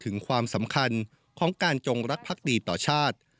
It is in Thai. ถึงความสำคัญของการจงรักภักดีต่อชาติ